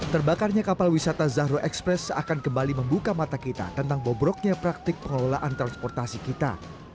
terbakarnya kapal wisata zahro express akan kembali membuka mata kita tentang bobroknya praktik pengelolaan transportasi kita